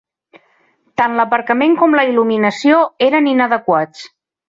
Tant l'aparcament com la il·luminació eren inadequats.